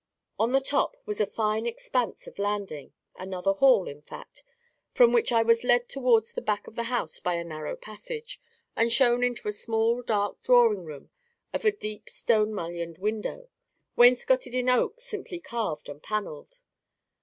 On the top was a fine expanse of landing, another hall, in fact, from which I was led towards the back of the house by a narrow passage, and shown into a small dark drawing room with a deep stone mullioned window, wainscoted in oak simply carved and panelled.